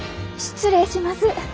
失礼します。